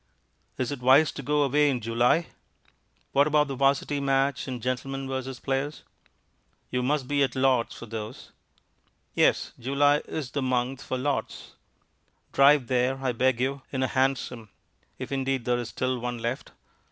Is it wise to go away in July? What about the Varsity match and Gentlemen v. Players? You must be at Lord's for those. Yes; July is the month for Lord's. Drive there, I beg you, in a hansom, if indeed there is still one left.